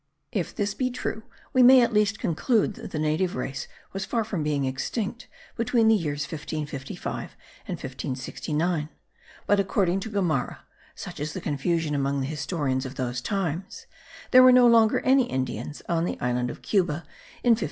If this be true, we may at least conclude that the native race was far from being extinct between the years 1555 and 1569; but according to Gomara (such is the confusion among the historians of those times) there were no longer any Indians on the island of Cuba in 1553.